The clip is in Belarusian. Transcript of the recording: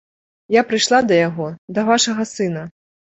Я прыйшла да яго, да вашага сына.